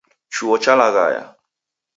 Chuo chalaghaya.